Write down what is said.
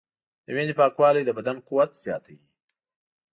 د وینې پاکوالی د بدن قوت زیاتوي.